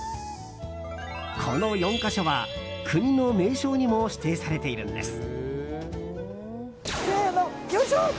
この４か所は国の名勝にも指定されているんです。